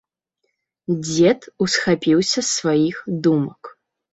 Дзед усхапіўся з сваіх думак.